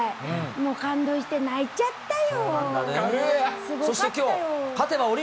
もう感動して泣いちゃったよ。